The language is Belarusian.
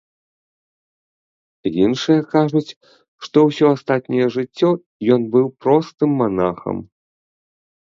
Іншыя кажуць, што ўсё астатняе жыццё ён быў простым манахам.